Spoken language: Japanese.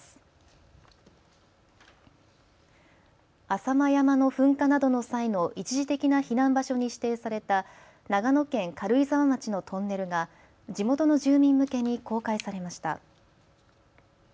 浅間山の噴火などの際の一時的な避難場所に指定された長野県軽井沢町のトンネルが地元の住民向けに公開されました。